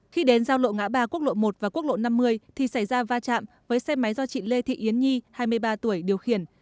khi đến giao lộ ngã ba quốc lộ một và quốc lộ năm mươi thì xảy ra va chạm với xe máy do chị lê thị yến nhi hai mươi ba tuổi điều khiển